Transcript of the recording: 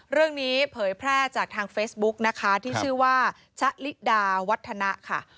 เผยแพร่จากทางเฟซบุ๊กนะคะที่ชื่อว่าชะลิดาวัฒนะค่ะ